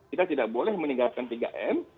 kita tidak boleh meninggalkan tiga m